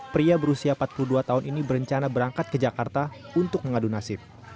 pria berusia empat puluh dua tahun ini berencana berangkat ke jakarta untuk mengadu nasib